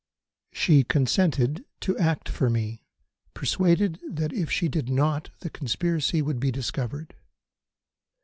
She consented to act for me, persuaded that if she did not the conspiracy would be discovered.